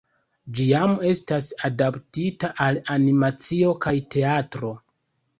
Ĝi jam estas adaptita al animacio kaj teatro.